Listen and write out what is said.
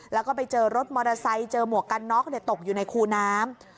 แล้วก็ไปเจอรถมอเตอร์ไซค์เจอหมวกกันน็อกตกอยู่ในคูน้ำ